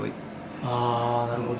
なるほど。